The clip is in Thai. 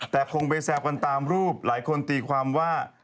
แต่คงไปแซวกันตามรูปหลายคนตีความว่า